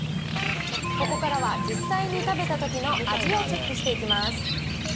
ここからは実際に食べたときの味をチェックしていきます。